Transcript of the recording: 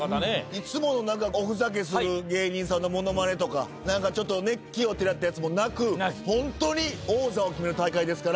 いつものおふざけする芸人さんのものまねとか何かちょっと奇をてらったやつもなくホントに王座を決める大会ですから。